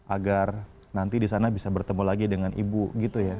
agar nanti di sana bisa bertemu lagi dengan ibu